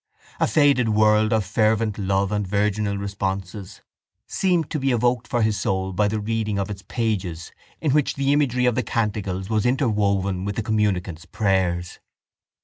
A faded world of fervent love and virginal responses seemed to be evoked for his soul by the reading of its pages in which the imagery of the canticles was interwoven with the communicant's prayers.